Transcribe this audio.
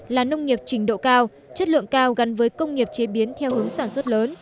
là nông nghiệp trình độ cao chất lượng cao gắn với công nghiệp chế biến theo hướng sản xuất lớn